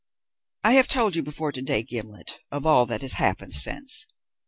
"I have told you before to day, Gimblet, of all that has happened since.